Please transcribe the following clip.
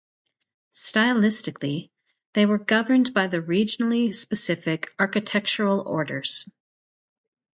Stylistically, they were governed by the regionally specific architectural orders.